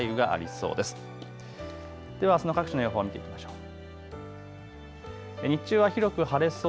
では、あすの各地の予報を見ていきましょう。